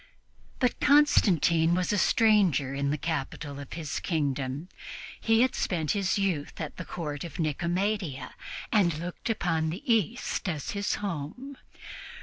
But Constantine was a stranger in the capital of his kingdom; he had spent his youth at the court of Nicomedia, and looked upon the East as his home.